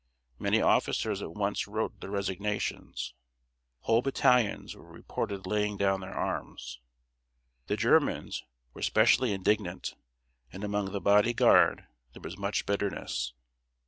Many officers at once wrote their resignations. Whole battalions were reported laying down their arms. The Germans were specially indignant, and among the Body Guard there was much bitterness.